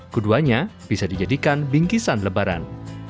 keduanya bisa dijadikan bingkisan lebaran